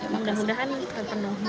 mudah mudahan kita penuhi